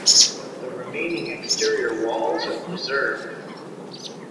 But the remaining exterior walls are preserved.